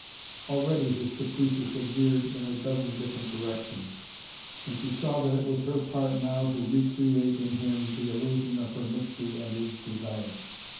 Already his caprices had veered in a dozen different directions. And she saw that it was her part now to re create in him the illusion of her mystery and his desire.